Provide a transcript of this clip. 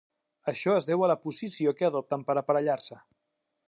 Això es deu a la posició que adopten per aparellar-se.